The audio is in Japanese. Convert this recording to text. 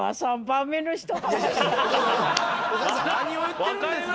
何を言ってるんですか。